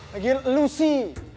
lagi lu sih